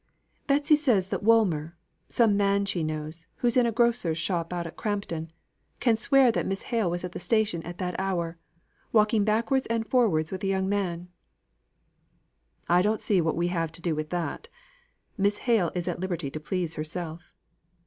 "Betsy says that Woolmer (some man she knows, who is in a grocer's shop out at Crampton) can swear that Miss Hale was at the station at that hour, walking backwards and forwards with a young man." "I don't see what we have to do with that. Miss Hale is at liberty to please herself."